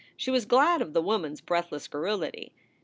She was glad of the woman s breathless garrulity.